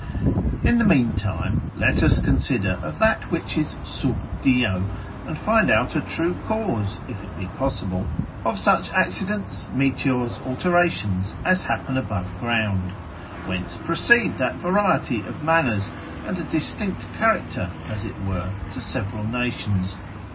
In the mean time let us consider of that which is sub dio, and find out a true cause, if it be possible, of such accidents, meteors, alterations, as happen above ground. Whence proceed that variety of manners, and a distinct character (as it were) to several nations?